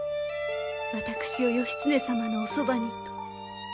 私を義経様のおそばにと。